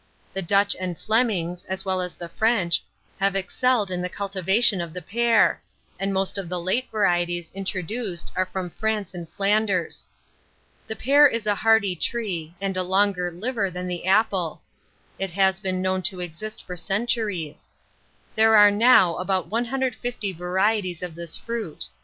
The Dutch and Flemings, as well as the French, have excelled in the cultivation of the pear, and most of the late varieties introduced are from France and Flanders. The pear is a hardy tree, and a longer liver than the apple: it has been known to exist for centuries. There are now about 150 varieties of this fruit.